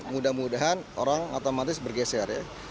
mudah mudahan orang otomatis bergeser ya